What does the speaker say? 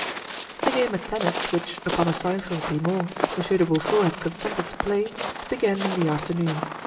The game at tennis, which, upon a sign from Grimaud, Monsieur de Beaufort had consented to play, began in the afternoon.